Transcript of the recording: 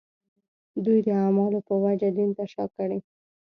دوی د اعمالو په وجه دین ته شا کړي.